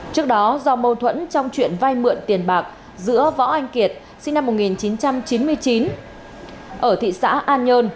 trước đó do mâu thuẫn trong chuyện vay mượn tiền bạc giữa võ anh kiệt sinh năm một nghìn chín trăm chín mươi chín ở thị xã an nhơn